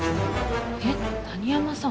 えっ谷山さん。